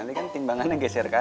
nanti kan timbangannya geser kanan